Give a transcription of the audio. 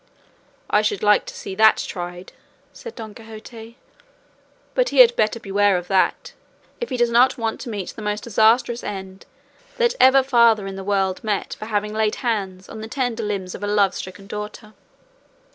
"I should like to see that tried," said Don Quixote; "but he had better beware of that, if he does not want to meet the most disastrous end that ever father in the world met for having laid hands on the tender limbs of a love stricken daughter."